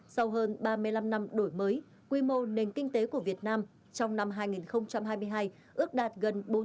sau hơn ba mươi năm năm đổi mới quy mô nền kinh tế của việt nam trong năm hai nghìn hai mươi hai ước đạt gần bốn trăm linh triệu đồng